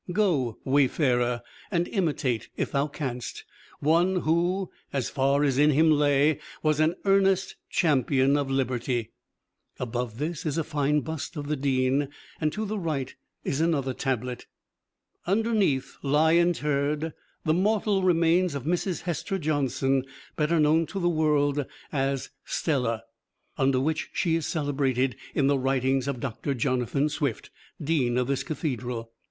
Go! wayfarer, and imitate, if thou canst, one who, as far as in him lay, was an earnest champion of liberty " Above this is a fine bust of the Dean, and to the right is another tablet: "Underneath lie interred the mortal remains of Mrs. Hester Johnson, better known to the world as 'Stella,' under which she is celebrated in the writings of Doctor Jonathan Swift, Dean of this Cathedral.